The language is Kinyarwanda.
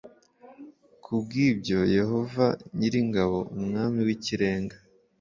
Ku bw ibyo Yehova nyir ingabo Umwami w Ikirenga